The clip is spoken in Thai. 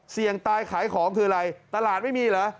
เสี่ยงตายขายของคืออะไรตลาดไม่มีเหรอ